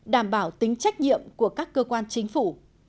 đảm bảo tính trách nhiệm của các cơ quan chính phủ